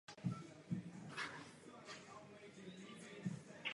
Velice zajímavé jsou skutečné Stalinovy předměty a osobní věci.